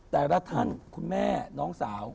แต่รัฐทันคุณแม่น้องสาว